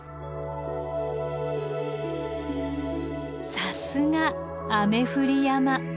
さすが雨降り山。